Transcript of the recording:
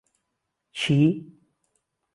چی؟